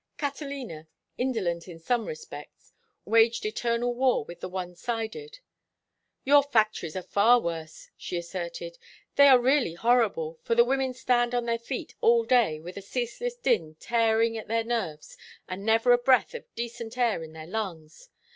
Catalina, indolent in some respects, waged eternal war with the one sided. "Your factories are far worse," she asserted. "They are really horrible, for the women stand on their feet all day with a ceaseless din tearing at their nerves and never a breath of decent air in their lungs.